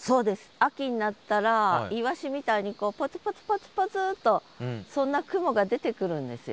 秋になったら鰯みたいにこうポツポツポツポツとそんな雲が出てくるんですよ。